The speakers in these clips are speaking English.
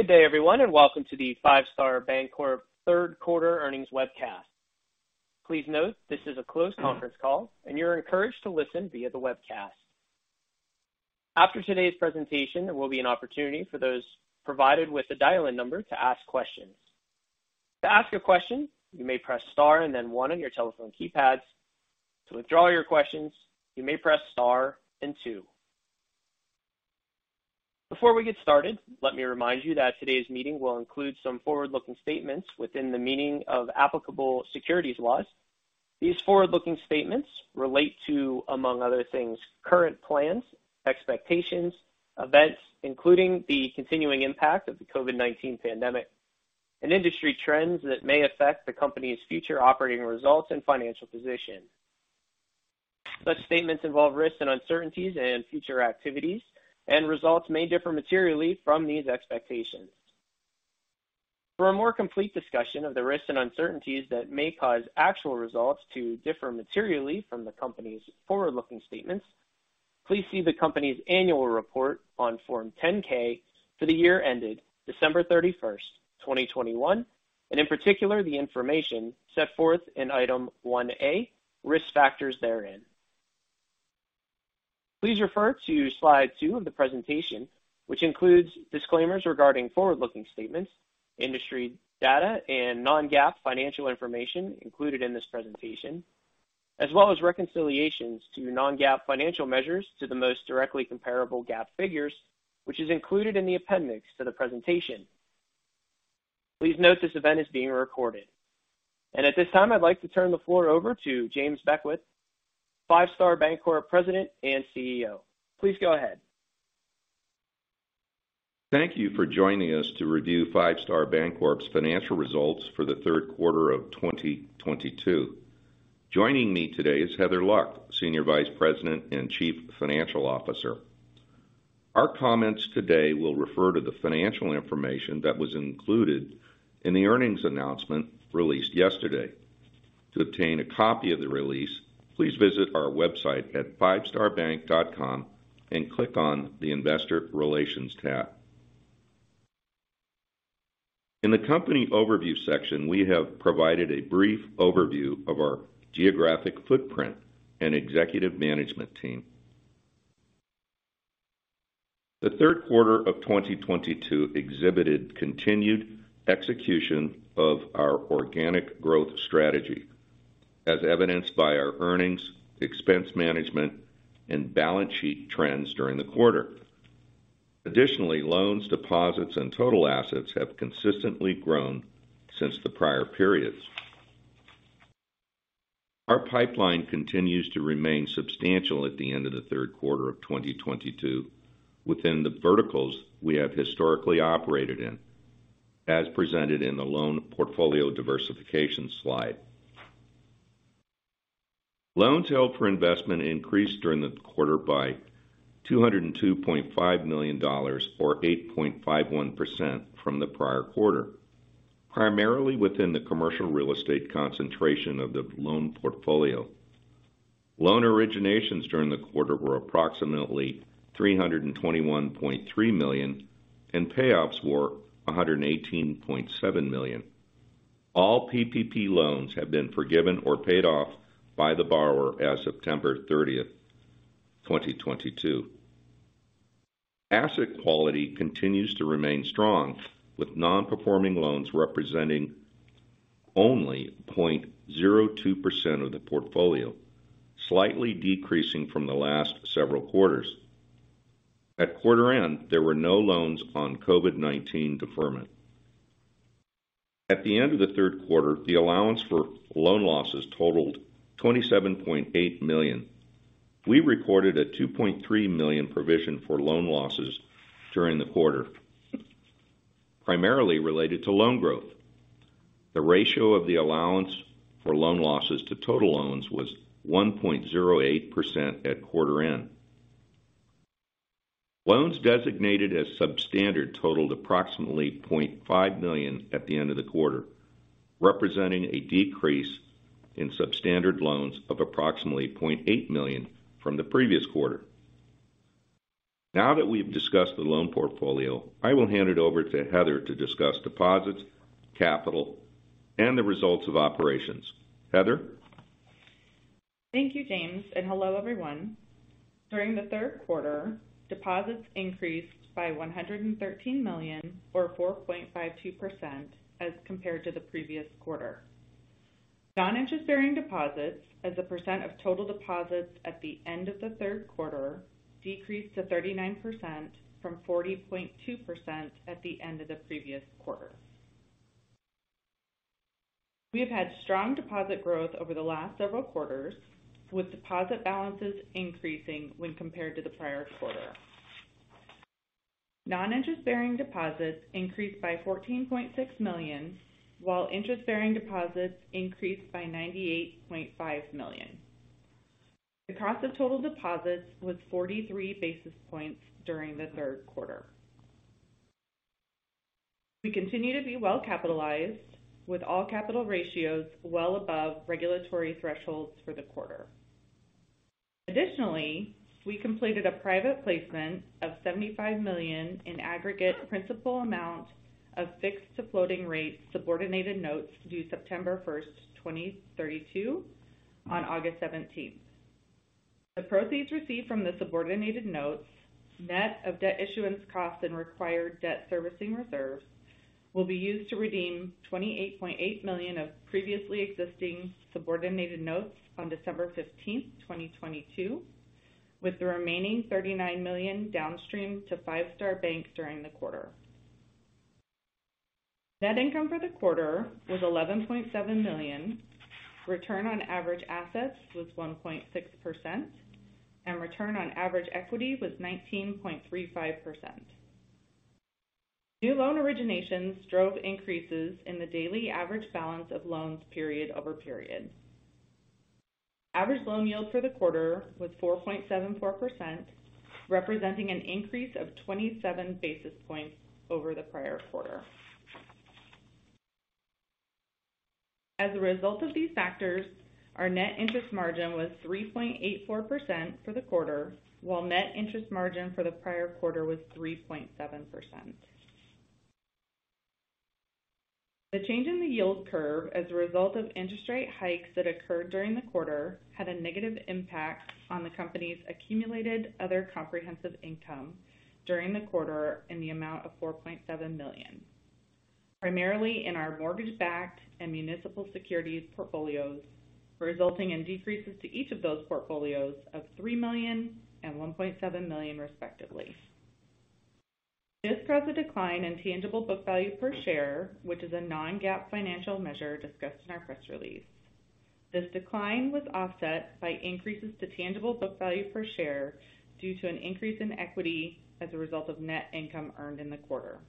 Good day, everyone, and welcome to the Five Star Bancorp third quarter earnings webcast. Please note this is a closed conference call and you're encouraged to listen via the webcast. After today's presentation, there will be an opportunity for those provided with a dial-in number to ask questions. To ask a question, you may press star and then one on your telephone keypads. To withdraw your questions, you may press star and two. Before we get started, let me remind you that today's meeting will include some forward-looking statements within the meaning of applicable securities laws. These forward-looking statements relate to, among other things, current plans, expectations, events, including the continuing impact of the COVID-19 pandemic, and industry trends that may affect the company's future operating results and financial position. Such statements involve risks and uncertainties in future activities, and results may differ materially from these expectations. For a more complete discussion of the risks and uncertainties that may cause actual results to differ materially from the company's forward-looking statements, please see the company's annual report on Form 10-K for the year ended December 31, 2021, and in particular, the information set forth in Item 1A, Risk Factors therein. Please refer to slide two of the presentation, which includes disclaimers regarding forward-looking statements, industry data, and non-GAAP financial information included in this presentation, as well as reconciliations to non-GAAP financial measures to the most directly comparable GAAP figures, which is included in the appendix to the presentation. Please note this event is being recorded. At this time, I'd like to turn the floor over to James Beckwith, Five Star Bancorp President and CEO. Please go ahead. Thank you for joining us to review Five Star Bancorp's financial results for the third quarter of 2022. Joining me today is Heather Luck, Senior Vice President and Chief Financial Officer. Our comments today will refer to the financial information that was included in the earnings announcement released yesterday. To obtain a copy of the release, please visit our website at fivestarbank.com and click on the Investor Relations tab. In the company overview section, we have provided a brief overview of our geographic footprint and executive management team. The third quarter of 2022 exhibited continued execution of our organic growth strategy, as evidenced by our earnings, expense management, and balance sheet trends during the quarter. Additionally, loans, deposits, and total assets have consistently grown since the prior periods. Our pipeline continues to remain substantial at the end of the third quarter of 2022 within the verticals we have historically operated in, as presented in the loan portfolio diversification slide. Loans held for investment increased during the quarter by $202.5 million or 8.51% from the prior quarter, primarily within the commercial real estate concentration of the loan portfolio. Loan originations during the quarter were approximately $321.3 million, and payoffs were $118.7 million. All PPP loans have been forgiven or paid off by the borrower as of September 30th, 2022. Asset quality continues to remain strong, with non-performing loans representing only 0.02% of the portfolio, slightly decreasing from the last several quarters. At quarter end, there were no loans on COVID-19 deferment. At the end of the third quarter, the allowance for loan losses totaled $27.8 million. We recorded a $2.3 million provision for loan losses during the quarter, primarily related to loan growth. The ratio of the allowance for loan losses to total loans was 1.08% at quarter end. Loans designated as substandard totaled approximately $0.5 million at the end of the quarter, representing a decrease in substandard loans of approximately $0.8 million from the previous quarter. Now that we've discussed the loan portfolio, I will hand it over to Heather to discuss deposits, capital, and the results of operations. Heather? Thank you, James, and hello, everyone. During the third quarter, deposits increased by $113 million or 4.52% as compared to the previous quarter. Non-interest bearing deposits as a percent of total deposits at the end of the third quarter decreased to 39% from 40.2% at the end of the previous quarter. We have had strong deposit growth over the last several quarters, with deposit balances increasing when compared to the prior quarter. Non-interest bearing deposits increased by $14.6 million, while interest-bearing deposits increased by $98.5 million. The cost of total deposits was 43 basis points during the third quarter. We continue to be well-capitalized, with all capital ratios well above regulatory thresholds for the quarter. Additionally, we completed a private placement of $75 million in aggregate principal amount of fixed to floating rate subordinated notes due September 1, 2032 on August 17. The proceeds received from the subordinated notes, net of debt issuance costs and required debt servicing reserves, will be used to redeem $28.8 million of previously existing subordinated notes on December 15, 2022, with the remaining $39 million downstream to Five Star Bank during the quarter. Net income for the quarter was $11.7 million. Return on average assets was 1.6% and return on average equity was 19.35%. New loan originations drove increases in the daily average balance of loans period over period. Average loan yield for the quarter was 4.74%, representing an increase of 27 basis points over the prior quarter. As a result of these factors, our net interest margin was 3.84% for the quarter, while net interest margin for the prior quarter was 3.7%. The change in the yield curve as a result of interest rate hikes that occurred during the quarter had a negative impact on the company's accumulated other comprehensive income during the quarter in the amount of $4.7 million, primarily in our mortgage-backed and municipal securities portfolios, resulting in decreases to each of those portfolios of $3 million and $1.7 million, respectively. This drove the decline in tangible book value per share, which is a non-GAAP financial measure discussed in our press release. This decline was offset by increases to tangible book value per share due to an increase in equity as a result of net income earned in the quarter,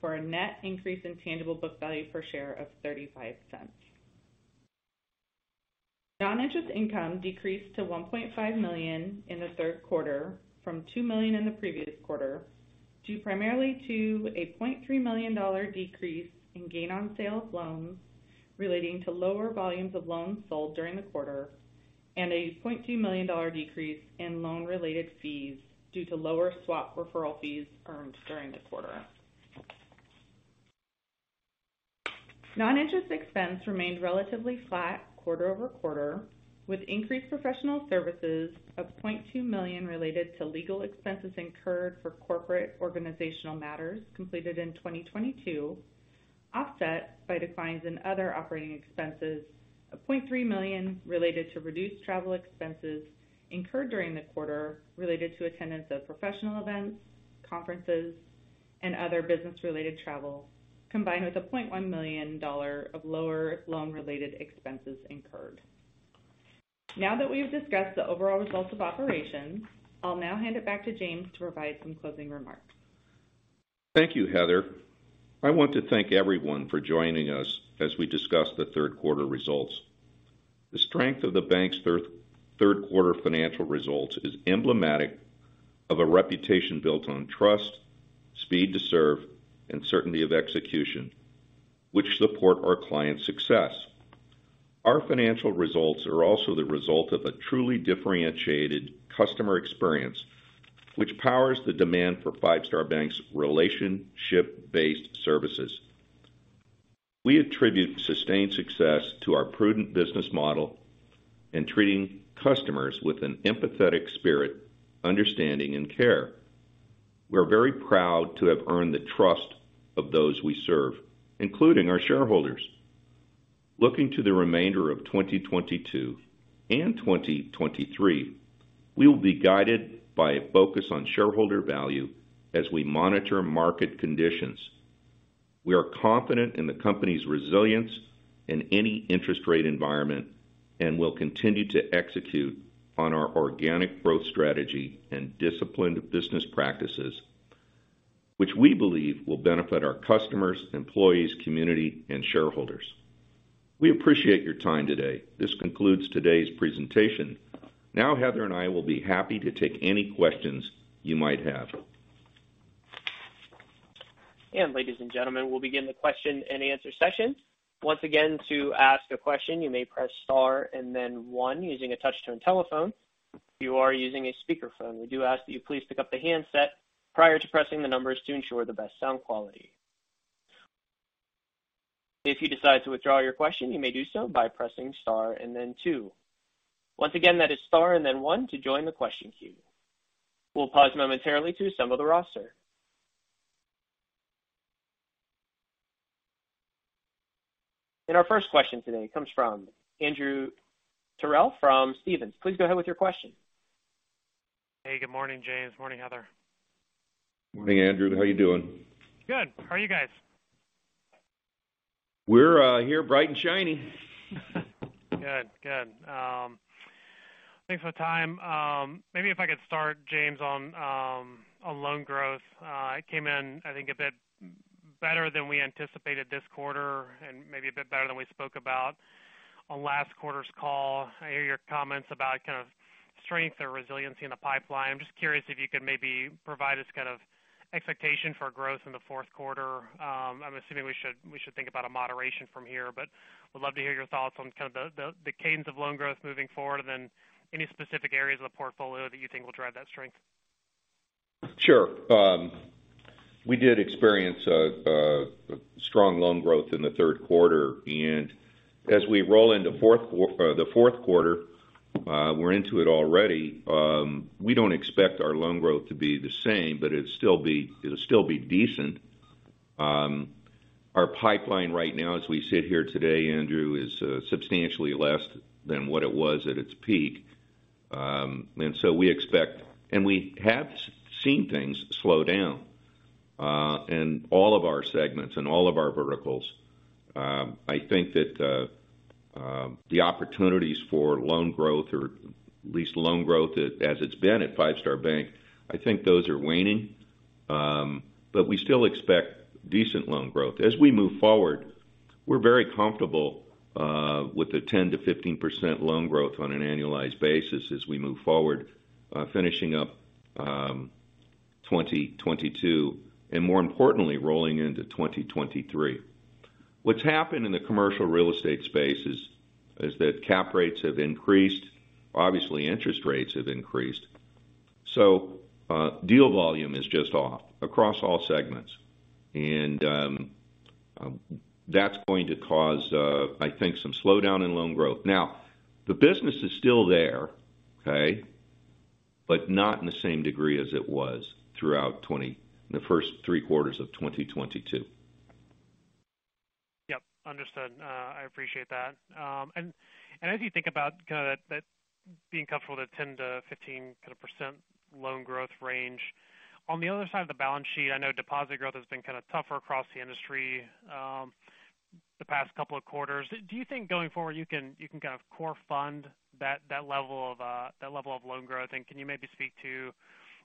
for a net increase in tangible book value per share of $0.35. Non-interest income decreased to $1.5 million in the third quarter from $2 million in the previous quarter, due primarily to a $0.3 million decrease in gain on sale of loans relating to lower volumes of loans sold during the quarter and a $0.2 million decrease in loan-related fees due to lower swap referral fees earned during the quarter. Non-interest expense remained relatively flat quarter-over-quarter, with increased professional services of $0.2 million related to legal expenses incurred for corporate organizational matters completed in 2022, offset by declines in other operating expenses of $0.3 million related to reduced travel expenses incurred during the quarter related to attendance of professional events, conferences, and other business-related travel, combined with a $0.1 million of lower loan-related expenses incurred. Now that we've discussed the overall results of operations, I'll now hand it back to James to provide some closing remarks. Thank you, Heather. I want to thank everyone for joining us as we discuss the third quarter results. The strength of the bank's third quarter financial results is emblematic of a reputation built on trust, speed to serve, and certainty of execution, which support our clients' success. Our financial results are also the result of a truly differentiated customer experience which powers the demand for Five Star Bank's relationship-based services. We attribute sustained success to our prudent business model and treating customers with an empathetic spirit, understanding, and care. We're very proud to have earned the trust of those we serve, including our shareholders. Looking to the remainder of 2022 and 2023, we will be guided by a focus on shareholder value as we monitor market conditions. We are confident in the company's resilience in any interest rate environment and will continue to execute on our organic growth strategy and disciplined business practices, which we believe will benefit our customers, employees, community, and shareholders. We appreciate your time today. This concludes today's presentation. Now Heather and I will be happy to take any questions you might have. Ladies and gentlemen, we'll begin the question-and-answer session. Once again, to ask a question, you may press star and then one using a touch-tone telephone. If you are using a speakerphone, we do ask that you please pick up the handset prior to pressing the numbers to ensure the best sound quality. If you decide to withdraw your question, you may do so by pressing star and then two. Once again, that is star and then one to join the question queue. We'll pause momentarily to assemble the roster. Our first question today comes from Andrew Terrell from Stephens. Please go ahead with your question. Hey, good morning, James. Morning, Heather. Morning, Andrew. How are you doing? Good. How are you guys? We're here bright and shiny. Good. Thanks for the time. Maybe if I could start, James, on loan growth. It came in, I think, a bit better than we anticipated this quarter and maybe a bit better than we spoke about on last quarter's call. I hear your comments about kind of strength or resiliency in the pipeline. I'm just curious if you could maybe provide us kind of expectation for growth in the fourth quarter. I'm assuming we should think about a moderation from here. Would love to hear your thoughts on kind of the cadence of loan growth moving forward, and then any specific areas of the portfolio that you think will drive that strength. Sure. We did experience a strong loan growth in the third quarter. As we roll into the fourth quarter, we're into it already, we don't expect our loan growth to be the same, but it'll still be decent. Our pipeline right now as we sit here today, Andrew Terrell, is substantially less than what it was at its peak. We expect and we have seen things slow down in all of our segments and all of our verticals. I think that the opportunities for loan growth or at least loan growth as it's been at Five Star Bank, I think those are waning. We still expect decent loan growth. As we move forward, we're very comfortable with the 10%-15% loan growth on an annualized basis as we move forward, finishing up 2022 and more importantly, rolling into 2023. What's happened in the commercial real estate space is that cap rates have increased. Obviously, interest rates have increased. Deal volume is just off across all segments. That's going to cause, I think, some slowdown in loan growth. Now, the business is still there, okay, but not in the same degree as it was throughout the first three quarters of 2022. Yep, understood. I appreciate that. As you think about kinda that being comfortable with that 10-15% loan growth range, on the other side of the balance sheet, I know deposit growth has been kinda tougher across the industry, the past couple of quarters. Do you think going forward, you can kind of core fund that level of loan growth? Can you maybe speak to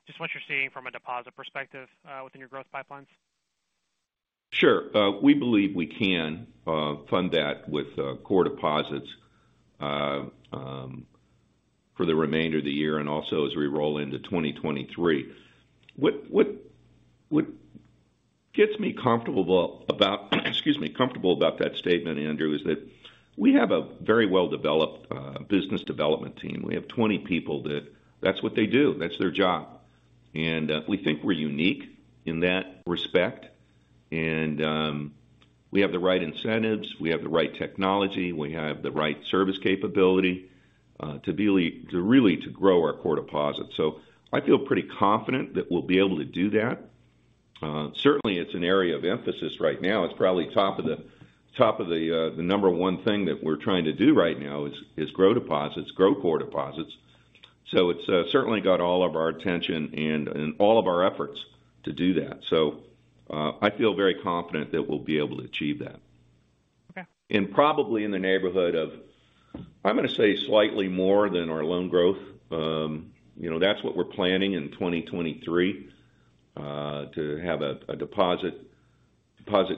just what you're seeing from a deposit perspective within your growth pipelines? Sure. We believe we can fund that with core deposits for the remainder of the year and also as we roll into 2023. What gets me comfortable about that statement, Andrew, is that we have a very well-developed business development team. We have 20 people. That's what they do. That's their job. We think we're unique in that respect. We have the right incentives, we have the right technology, we have the right service capability to really grow our core deposits. I feel pretty confident that we'll be able to do that. Certainly it's an area of emphasis right now. It's probably top of the number one thing that we're trying to do right now is grow deposits, grow core deposits. It's certainly got all of our attention and all of our efforts to do that. I feel very confident that we'll be able to achieve that. Okay. Probably in the neighborhood of, I'm gonna say slightly more than our loan growth. You know, that's what we're planning in 2023 to have a deposit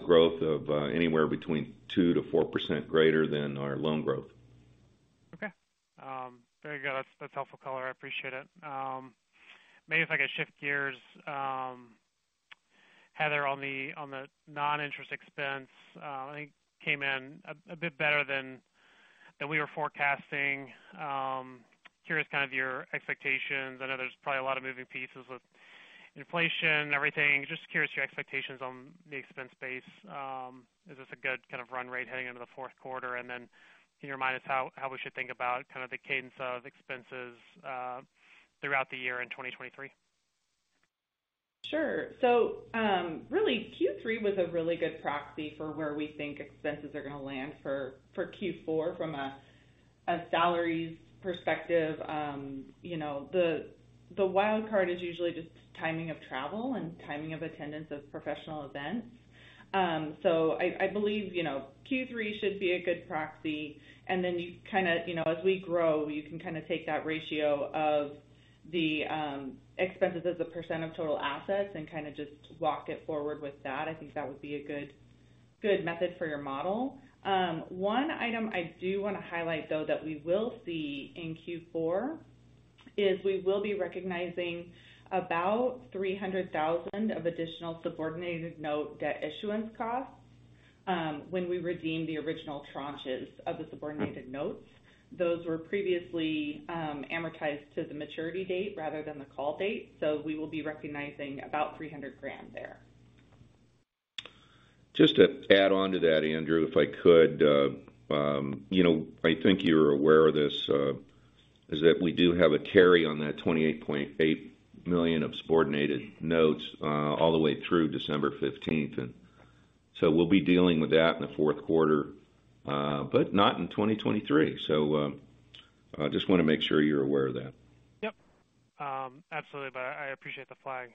growth of anywhere between 2%-4% greater than our loan growth. Okay. Very good. That's helpful color. I appreciate it. Maybe if I could shift gears, Heather, on the non-interest expense, I think came in a bit better than that we were forecasting. Curious kind of your expectations. I know there's probably a lot of moving pieces with inflation and everything. Just curious your expectations on the expense base. Is this a good kind of run rate heading into the fourth quarter? Can you remind us how we should think about kind of the cadence of expenses throughout the year in 2023? Sure. Really Q3 was a really good proxy for where we think expenses are gonna land for Q4 from a salaries perspective. You know, the wild card is usually just timing of travel and timing of attendance of professional events. I believe, you know, Q3 should be a good proxy. Then you kinda, you know, as we grow, you can kinda take that ratio of the expenses as a percent of total assets and kinda just walk it forward with that. I think that would be a good method for your model. One item I do wanna highlight though that we will see in Q4 is we will be recognizing about $300,000 of additional subordinated note debt issuance costs when we redeem the original tranches of the subordinated notes. Those were previously amortized to the maturity date rather than the call date. We will be recognizing about $300,000 there. Just to add on to that, Andrew, if I could. You know, I think you're aware of this, is that we do have a carry on that $28.8 million of subordinated notes, all the way through December fifteenth. We'll be dealing with that in the fourth quarter, but not in 2023. I just want to make sure you're aware of that. Yep. Absolutely, but I appreciate the flag.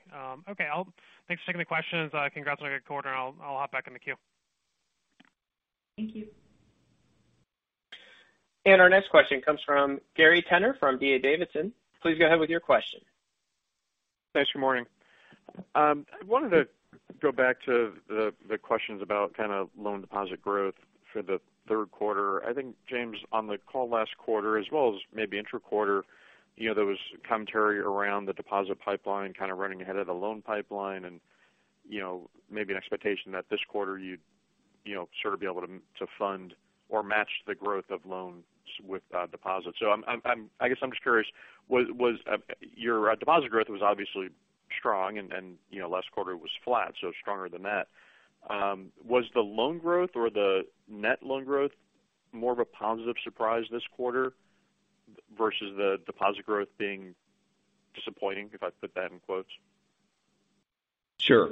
Okay. Thanks for taking the questions. Congratulations on a great quarter. I'll hop back in the queue. Thank you. Our next question comes from Gary Tenner from D.A. Davidson. Please go ahead with your question. Thanks for morning. I wanted to. Go back to the questions about kind of loan deposit growth for the third quarter. I think, James, on the call last quarter, as well as maybe intra-quarter, you know, there was commentary around the deposit pipeline kind of running ahead of the loan pipeline and, you know, maybe an expectation that this quarter you'd, you know, sort of be able to to fund or match the growth of loans with deposits. I guess I'm just curious. Was your deposit growth obviously strong and you know last quarter was flat, so stronger than that. Was the loan growth or the net loan growth more of a positive surprise this quarter versus the deposit growth being disappointing, if I could put that in quotes? Sure.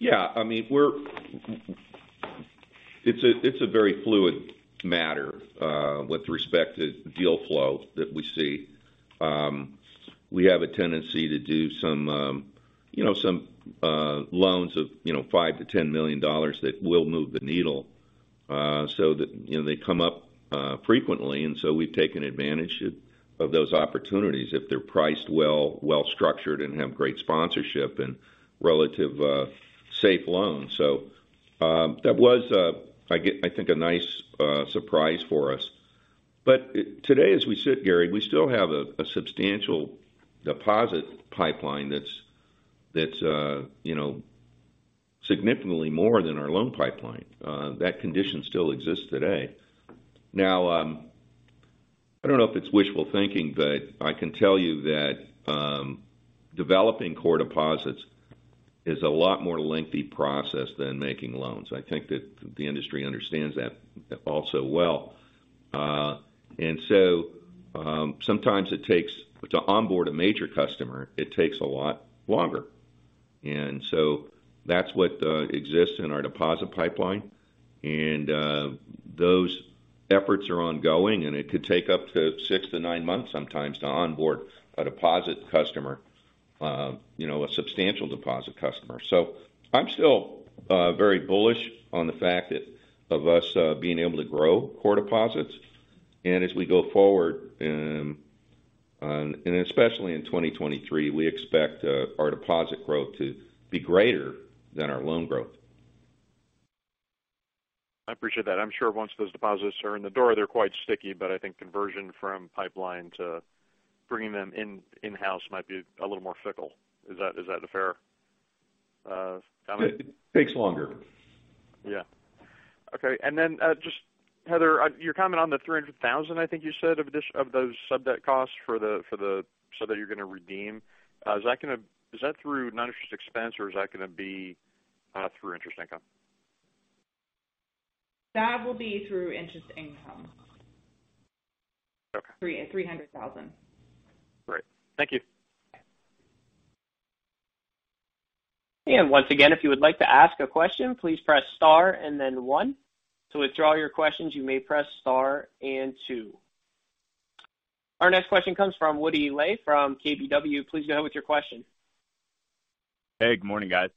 Yeah, I mean, it's a very fluid matter with respect to deal flow that we see. We have a tendency to do some, you know, loans of $5 million-$10 million that will move the needle, so that, you know, they come up frequently. We've taken advantage of those opportunities if they're priced well, well structured and have great sponsorship and relatively safe loans. That was, I think, a nice surprise for us. Today, as we sit, Gary, we still have a substantial deposit pipeline that's, you know, significantly more than our loan pipeline. That condition still exists today. Now, I don't know if it's wishful thinking, but I can tell you that developing core deposits is a lot more lengthy process than making loans. I think that the industry understands that also well. Sometimes it takes a lot longer to onboard a major customer. That's what exists in our deposit pipeline. Those efforts are ongoing, and it could take up to six to nine months sometimes to onboard a deposit customer, you know, a substantial deposit customer. I'm still very bullish on the fact that of us being able to grow core deposits. As we go forward, and especially in 2023, we expect our deposit growth to be greater than our loan growth. I appreciate that. I'm sure once those deposits are in the door, they're quite sticky, but I think conversion from pipeline to bringing them in-house might be a little more fickle. Is that a fair comment? It takes longer. Yeah. Okay. Just Heather, your comment on the $300,000, I think you said, of this, of those sub-debt costs for the so that you're gonna redeem. Is that gonna be through noninterest expense or is that gonna be through interest income? That will be through interest income. Okay. $300,000. Great. Thank you. Once again, if you would like to ask a question, please press star and then one. To withdraw your questions, you may press star and two. Our next question comes from Woody Lay from KBW. Please go ahead with your question. Hey, good morning, guys.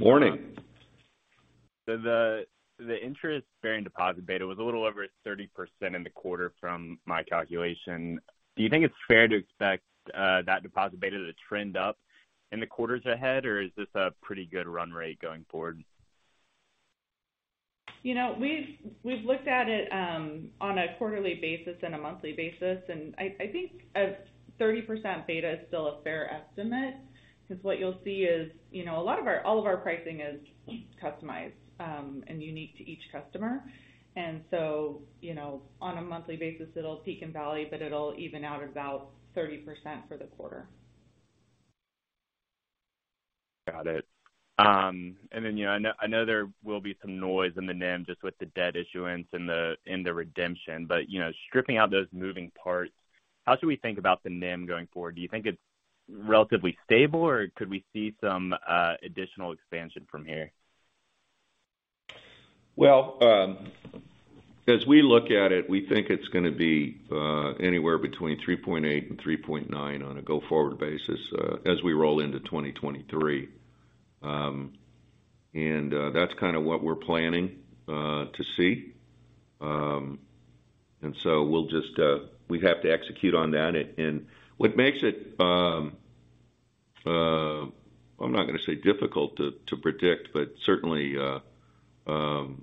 Morning. The interest bearing deposit beta was a little over 30% in the quarter from my calculation. Do you think it's fair to expect that deposit beta to trend up in the quarters ahead? Or is this a pretty good run rate going forward? You know, we've looked at it on a quarterly basis and a monthly basis, and I think a 30% beta is still a fair estimate, because what you'll see is, you know, all of our pricing is customized and unique to each customer. You know, on a monthly basis, it'll peak and valley, but it'll even out about 30% for the quarter. Got it. You know, I know there will be some noise in the NIM just with the debt issuance and the redemption, but you know, stripping out those moving parts, how should we think about the NIM going forward? Do you think it's relatively stable, or could we see some additional expansion from here? Well, as we look at it, we think it's gonna be anywhere between 3.8% and 3.9% on a go-forward basis, as we roll into 2023. That's kind of what we're planning to see. We have to execute on that. What makes it, I'm not gonna say difficult to predict, but certainly, you know,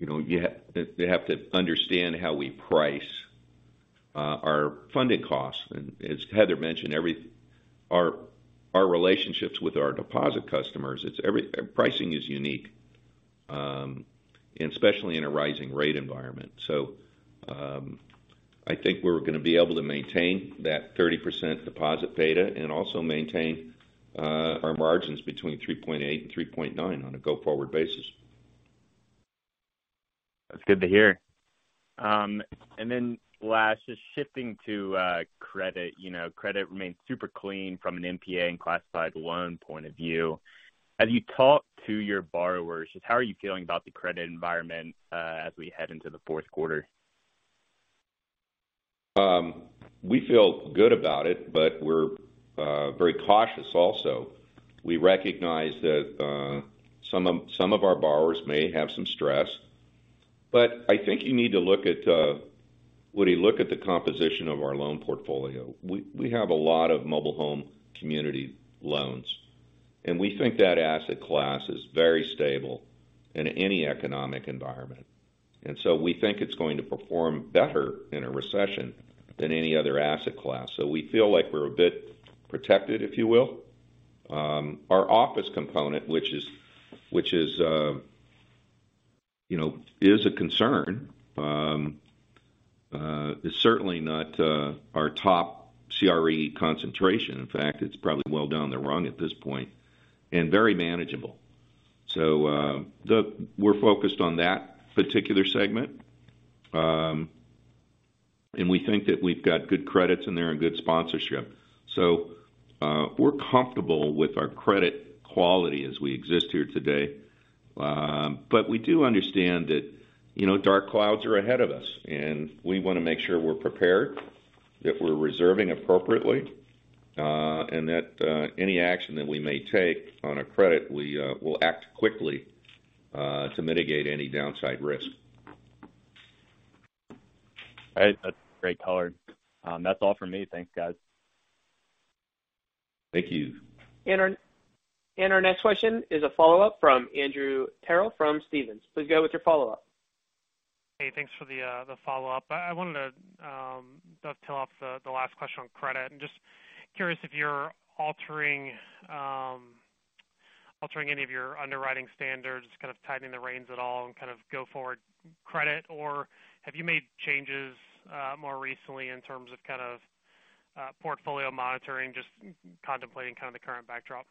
they have to understand how we price our funding costs. As Heather mentioned, our relationships with our deposit customers, it's pricing is unique, and especially in a rising rate environment. I think we're gonna be able to maintain that 30% deposit beta and also maintain our margins between 3.8% and 3.9% on a go-forward basis. That's good to hear. Last, just shifting to credit. You know, credit remains super clean from an NPA and classified loan point of view. As you talk to your borrowers, just how are you feeling about the credit environment, as we head into the fourth quarter? We feel good about it, but we're very cautious also. We recognize that some of our borrowers may have some stress. I think you need to look at when you look at the composition of our loan portfolio, we have a lot of mobile home community loans, and we think that asset class is very stable in any economic environment. We think it's going to perform better in a recession than any other asset class. We feel like we're a bit protected, if you will. Our office component, which is, you know, a concern, is certainly not our top CRE concentration. In fact, it's probably well down the rung at this point and very manageable. We're focused on that particular segment, and we think that we've got good credits in there and good sponsorship. We're comfortable with our credit quality as we exist here today. We do understand that, you know, dark clouds are ahead of us, and we wanna make sure we're prepared, that we're reserving appropriately, and that any action that we may take on a credit, we will act quickly to mitigate any downside risk. All right. That's great color. That's all for me. Thanks, guys. Thank you. Our next question is a follow-up from Andrew Terrell from Stephens. Please go with your follow-up. Hey, thanks for the follow-up. I wanted to dovetail off the last question on credit. Just curious if you're altering any of your underwriting standards, kind of tightening the reins at all and kind of go forward credit or have you made changes more recently in terms of kind of portfolio monitoring, just contemplating kind of the current backdrop?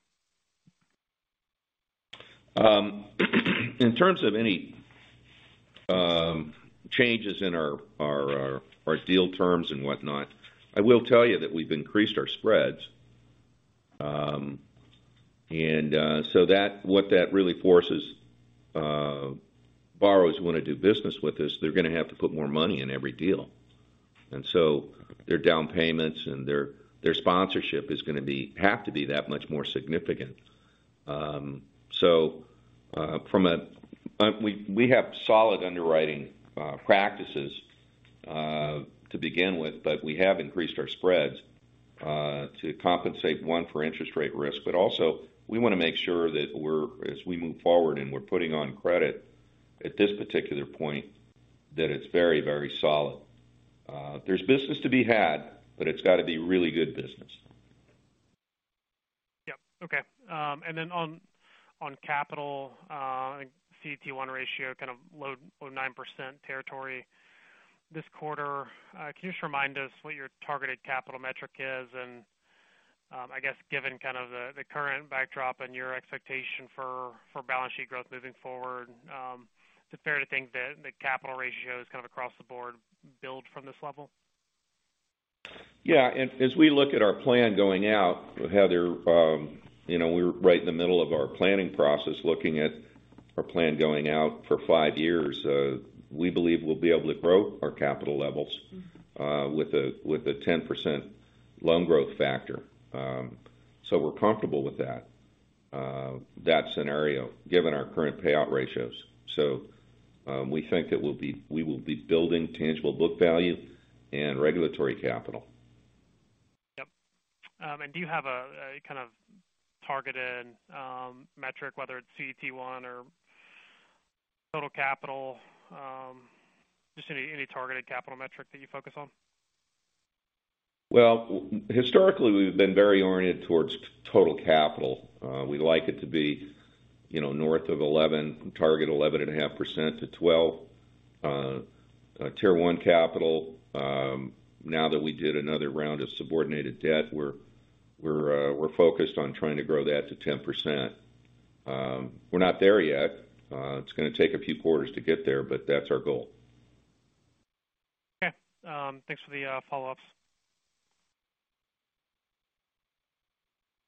In terms of any changes in our deal terms and whatnot, I will tell you that we've increased our spreads. What that really forces borrowers who wanna do business with us, they're gonna have to put more money in every deal. Their down payments and their sponsorship is gonna have to be that much more significant. We have solid underwriting practices to begin with, but we have increased our spreads to compensate, one, for interest rate risk. Also, we wanna make sure that we're, as we move forward and we're putting on credit at this particular point, that it's very, very solid. There's business to be had, but it's gotta be really good business. Yep. Okay. On capital, CET1 ratio kind of low 9% territory this quarter. Can you just remind us what your targeted capital metric is? I guess, given kind of the current backdrop and your expectation for balance sheet growth moving forward, is it fair to think that the capital ratio is kind of across the board build from this level? Yeah. As we look at our plan going out, Heather, you know, we're right in the middle of our planning process, looking at our plan going out for five years. We believe we'll be able to grow our capital levels with a 10% loan growth factor. We're comfortable with that scenario, given our current payout ratios. We think that we will be building tangible book value and regulatory capital. Yep. Do you have a kind of targeted metric, whether it's CET1 or total capital, just any targeted capital metric that you focus on? Well, historically, we've been very oriented towards total capital. We like it to be, you know, north of 11%, target 11.5%-12%. Tier 1 capital, now that we did another round of subordinated debt, we're focused on trying to grow that to 10%. We're not there yet. It's gonna take a few quarters to get there, but that's our goal. Okay. Thanks for the follow-ups.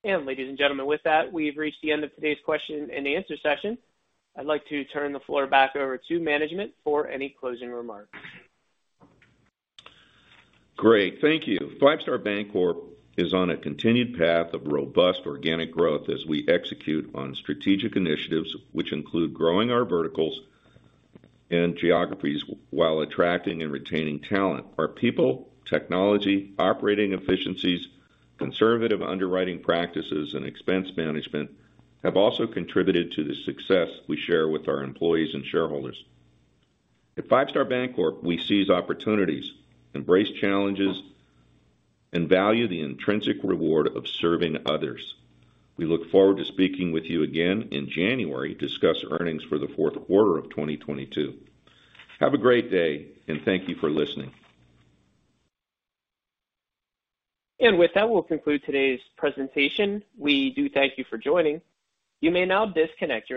Ladies and gentlemen, with that, we've reached the end of today's question and answer session. I'd like to turn the floor back over to management for any closing remarks. Great. Thank you. Five Star Bancorp is on a continued path of robust organic growth as we execute on strategic initiatives, which include growing our verticals and geographies while attracting and retaining talent. Our people, technology, operating efficiencies, conservative underwriting practices, and expense management have also contributed to the success we share with our employees and shareholders. At Five Star Bancorp, we seize opportunities, embrace challenges, and value the intrinsic reward of serving others. We look forward to speaking with you again in January to discuss earnings for the fourth quarter of 2022. Have a great day, and thank you for listening. With that, we'll conclude today's presentation. We do thank you for joining. You may now disconnect your-